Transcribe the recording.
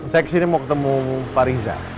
saya ke sini mau ketemu pak riza